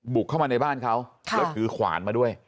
บุกเข้ามาในบ้านเขาแล้วถือขวานมาด้วย